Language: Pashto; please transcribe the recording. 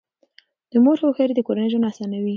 د مور هوښیاري د کورنۍ ژوند اسانوي.